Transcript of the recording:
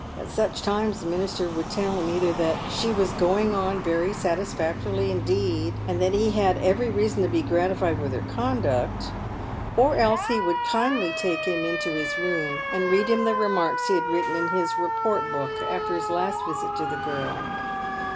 At such times the minister would tell him either that " she was going on very satisfactorily indeed," and that he had " every reason to be gratified with her conduct ;" or else he would kindly take him into his room and read him the remarks he had written in his report book, after his last visit to the girl.